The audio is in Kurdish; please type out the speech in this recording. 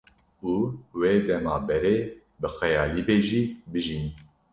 û wê dema berê bi xeyalî be jî bijîn